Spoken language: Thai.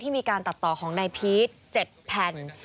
มีการตัดต่อของนายพีช๗แผ่น